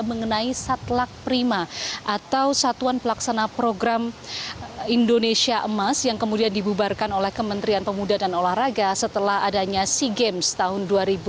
dan juga dengan kementerian pemuda dan olahraga yang kemudian dibubarkan oleh kementerian pemuda dan olahraga setelah adanya sea games tahun dua ribu tujuh belas